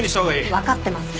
わかってます。